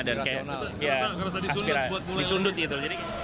dan kayak aspirasi disundut gitu